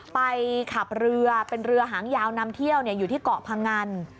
ไปขับเรือเป็นเรือหางยาวนำเที่ยวอยู่ที่เกาะพังงัน